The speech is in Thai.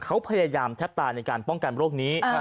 เขาพยายามแทบตายในการป้องกันโรคนี้